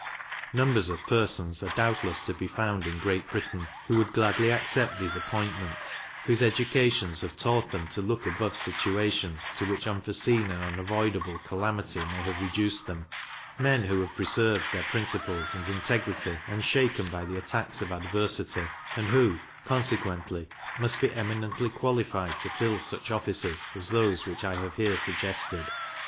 Numbers of persons are doubtless to be found in Great Britain who would gladly accept these appointments, whose educations have taught them to look above situations to which unforeseen and unavoidable calamity may have reduced them; men who have preserved their principles and integrity unshaken by the attacks of adversity, and who, consequently, must be eminently qualified to fill such offices as those which I have here suggested.